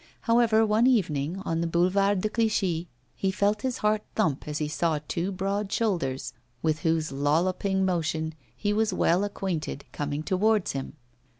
However, one evening, on the Boulevard de Clichy, he felt his heart thump as he saw two broad shoulders, with whose lolloping motion he was well acquainted, coming towards him.